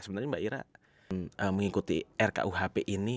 sebenarnya mbak ira mengikuti rkuhp ini